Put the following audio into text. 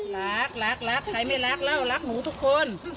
รักรักรักใครไม่รักแล้วรักหนูทุกคน